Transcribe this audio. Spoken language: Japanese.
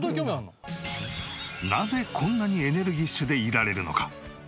なぜこんなにエネルギッシュでいられるのか？